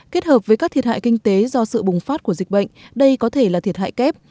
kết hợp với các thiệt hại kinh tế do sự bùng phát của dịch bệnh đây có thể là thiệt hại kép